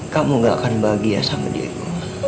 kamu gak akan bahagia sama diaku